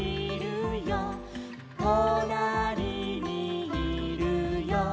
「となりにいるよ」